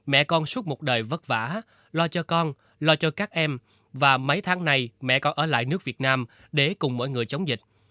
mẹ con suốt một đời vất vả lo cho con lo cho các em và mấy tháng nay mẹ còn ở lại nước việt nam để cùng mọi người chống dịch